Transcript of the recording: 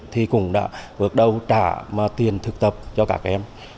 thì cũng đã vượt đầu trả tiền thực tập cho các em